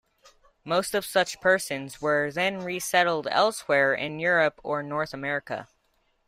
Most of such persons were then resettled elsewhere in Europe or North America.